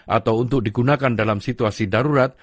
atau untuk digunakan dalam situasi darurat